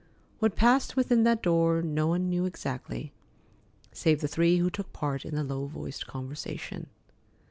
What passed within that door no one knew exactly, save the three who took part in the low voiced conversation.